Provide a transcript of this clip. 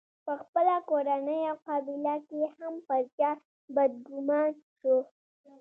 په خپله کورنۍ او قبیله کې هم پر چا بدګومان شو.